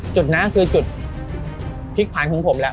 จุดหน้าคือจุดพลิกพันธุ์ของผมละ